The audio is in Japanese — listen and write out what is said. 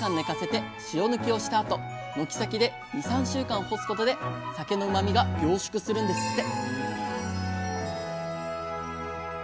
あと軒先で２３週間干すことでさけのうまみが凝縮するんですって！